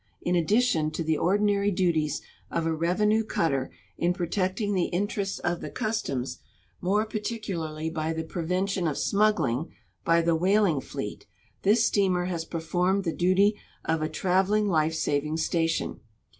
In addition to the ordinary duties of a revenue cutter in protecting the in terests of the customs, more particularly Ijy the prevention of smuggling l)y the whaling fleet, this steamer has performed the duty of a traveling life saving station.